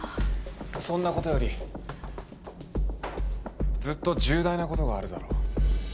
そんなことよりずっと重大なことがあるだろ。